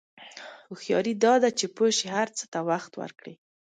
هوښیاري دا ده چې پوه شې هر څه ته وخت ورکړې.